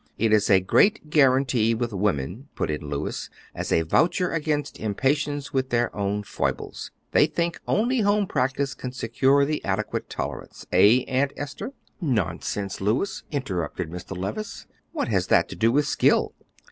"It is a great guarantee with women," put in Louis, "as a voucher against impatience with their own foibles. They think only home practice can secure the adequate tolerance. Eh, Aunt Esther?" "Nonsense, Louis!" interrupted Mr. Levice; "what has that to do with skill?"